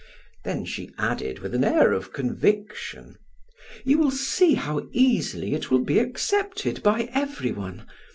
Then she added with an air of conviction: "You will see how easily it will be accepted by everyone!